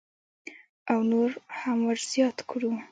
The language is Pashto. او نور هم ورزیات کړو.